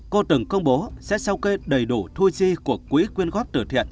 cô từng công bố sẽ sao kê đầy đủ thu chi của quỹ quyên góp tử thiện